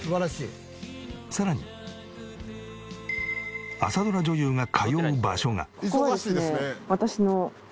さらに朝ドラ女優が通う場所が。